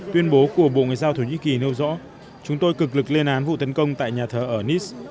tuyên bố của bộ ngoại giao thổ nhĩ kỳ nêu rõ chúng tôi cực lực lên án vụ tấn công tại nhà thờ ở nice